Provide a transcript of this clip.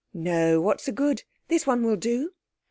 'No; what's the good? This one will do.'